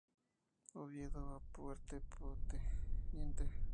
Oviedo a Puerto Pte.